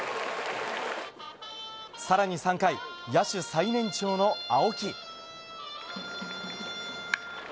更に３回、野手最年長の青木。